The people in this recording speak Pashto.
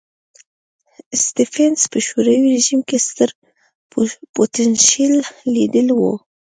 سټېفنس په شوروي رژیم کې ستر پوتنشیل لیدلی و.